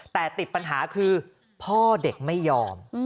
แต่ติดปัญหาคือพ่อเด็กไม่ยอม